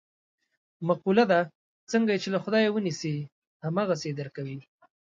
مقوله ده: څنګه یې چې له خدایه و نیسې هم هغسې یې در کوي.